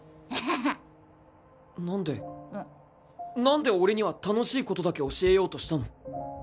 何で俺には楽しいことだけ教えようとしたの？